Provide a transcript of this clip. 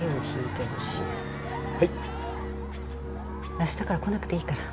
あしたから来なくていいから。